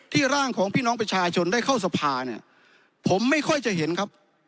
ร่างของพี่น้องประชาชนได้เข้าสภาเนี่ยผมไม่ค่อยจะเห็นครับ